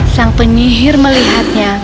sang penyihir melihatnya